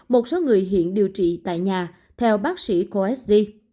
một số người hiện điều trị tại nhà theo bác sĩ khoa s d